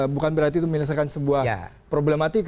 bukan berarti itu menyelesaikan sebuah problematika